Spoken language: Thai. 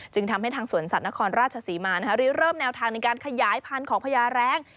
ทำให้ทางสวนสัตว์นครราชศรีมารีเริ่มแนวทางในการขยายพันธุ์ของพญาแรง